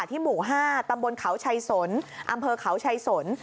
หมู่๕ตำบลเขาชัยสนอำเภอเขาชัยสน